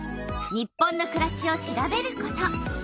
「日本のくらし」を調べること。